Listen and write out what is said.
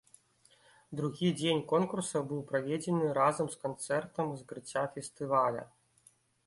Другі дзень конкурса быў праведзены разам з канцэртам закрыцця фестываля.